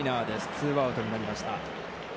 ツーアウトになりました。